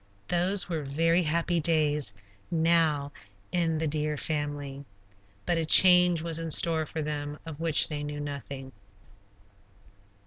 Those were very happy days now in the deer family. But a change was in store for them of which they knew nothing.